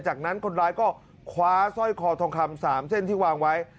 จากนั้นคนร้ายก็คว้าสร้อยคอทองคำ๓เส้นที่วางไว้